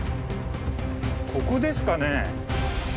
ここですかね。